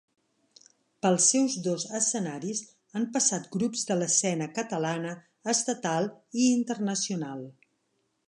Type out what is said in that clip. Pels seus dos escenaris han passat grups de l'escena catalana, estatal i internacional.